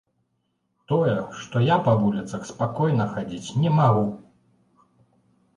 Тое, што я па вуліцах спакойна хадзіць не магу.